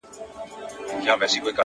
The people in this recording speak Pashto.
خوله يوه ښه ده- خو خبري اورېدل ښه دي-